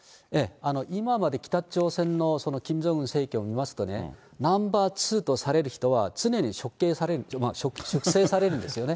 今まで北朝鮮のキム・ジョンウン政権を見ますと、ナンバー２とされる人は、常に粛清されるんですよね。